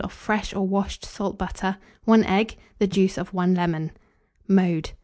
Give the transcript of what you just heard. of fresh or washed salt butter, 1 egg, the juice of 1 lemon. Mode.